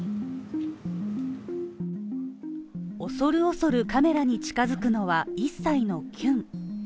恐る恐るカメラに近づくのは、１歳のきゅん。